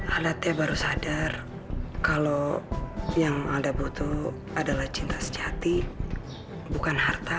alda teh baru sadar kalau yang alda butuh adalah cinta sejati bukan harta